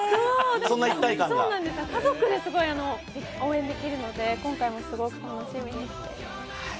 家族ですごい応援できるので、今回もすごく楽しみにしています。